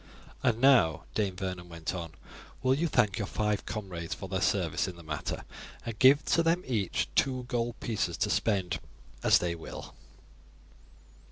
"And now," Dame Vernon went on, "will you thank your five comrades for their service in the matter, and give them each two gold pieces to spend as they will."